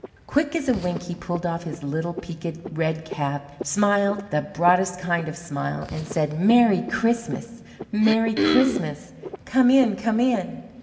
Quick as a wink, he pulled off his little peaked red cap, smiled the broadest kind of a smile, and said, "Merry Christmas! Merry Christmas! Come in! Come in!"